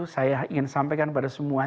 saya ingin sampaikan kepada semua